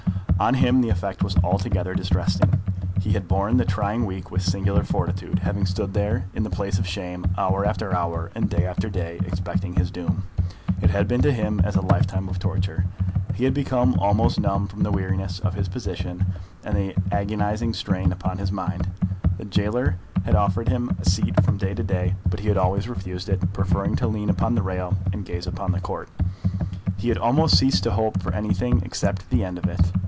On him the effect was altogether distressing. He had borne the trying week with singular fortitude, having stood there in the place of shame hour after hour, and day after day, expecting his doom. It had been to him as a lifetime of torture. He had become almost numb from the weariness of his position and the agonising strain upon his mind. The gaoler had offered him a seat from day to day, but he had always refused it, preferring to lean upon the rail and gaze upon the Court. He had almost ceased to hope for anything except the end of it.